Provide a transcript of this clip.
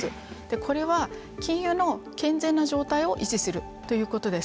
これは、金融の健全な状態を維持するということです。